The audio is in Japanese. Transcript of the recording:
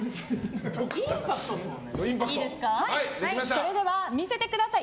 それでは見せてください。